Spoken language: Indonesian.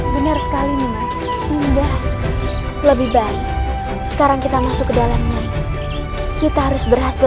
benar sekali memasuki lebih baik sekarang kita masuk ke dalamnya kita harus berhasil